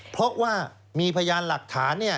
เพราะว่ามีพยานหลักฐาน